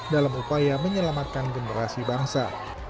dalam upaya menyelamatkan generasi bangsa